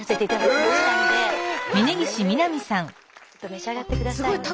召し上がってください。